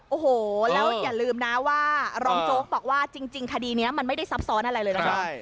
โอ้โหแล้วอย่าลืมนะว่ารองโจ๊กบอกว่าจริงคดีนี้มันไม่ได้ซับซ้อนอะไรเลยนะครับ